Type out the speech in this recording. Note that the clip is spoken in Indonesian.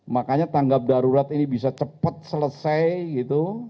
makanya tanggap darurat ini bisa cepat selesai gitu